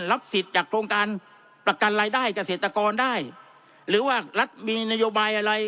รับสิทธิ์จากโครงการประกันรายได้เกษตรกรได้หรือว่ารัฐมีนโยบายอะไร